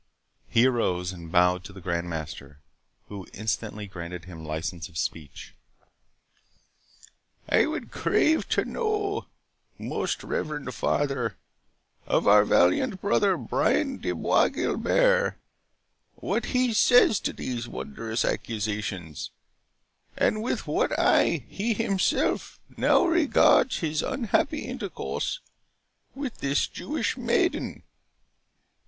He arose and bowed to the Grand Master, who instantly granted him license of speech. "I would crave to know, most Reverend Father, of our valiant brother, Brian de Bois Guilbert, what he says to these wondrous accusations, and with what eye he himself now regards his unhappy intercourse with this Jewish maiden?"